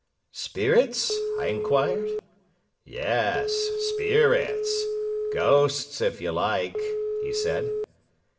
"Spirits?" I enquired. "Yes, spirits. Ghosts, if you like," he said.